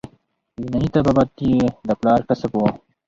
یوناني طبابت یې د پلار کسب وو.